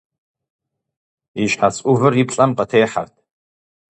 И щхьэц ӏувыр и плӏэм къытехьэрт.